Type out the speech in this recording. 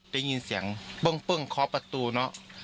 ได้ยินเสียงปึ้งเคาะประตูเนอะ